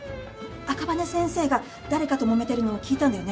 赤羽先生が誰かともめてるのを聞いたんだよね？